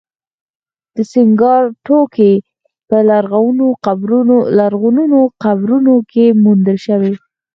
د سینګار توکي په لرغونو قبرونو کې موندل شوي